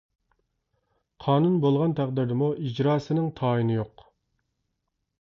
قانۇن بولغان تەقدىردىمۇ ئىجراسىنىڭ تايىنى يوق.